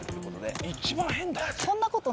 一番変だよ。